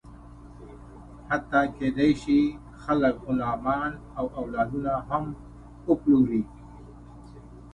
حتی کېدی شي، خلک غلامان او اولادونه هم وپلوري.